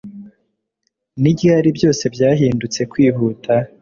ni ryari byose byahindutse kwihuta